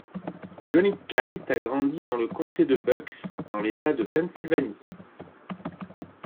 Jonigkeit a grandi dans le Comté de Bucks, dans l'état de Pennsylvanie.